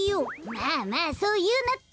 まあまあそういうなって。